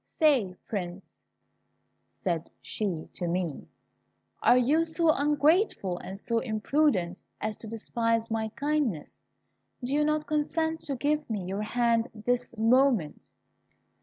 Say, Prince," said she to me, "are you so ungrateful and so imprudent as to despise my kindness? Do you not consent to give me your hand this moment?"